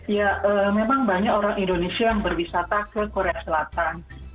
ya memang banyak orang indonesia yang berwisata ke korea selatan